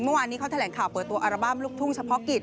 เหมือนที่เขาแถลงข่าวเปิดตัวอาร์บัมลูกทุ่งเฉพาะฺิต